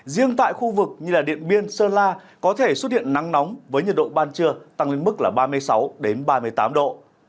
riêng tại khu vực như điện biên sơn la có thể xuất hiện nắng nóng với nhiệt độ ban trưa tăng lên mức là ba mươi sáu ba mươi tám độ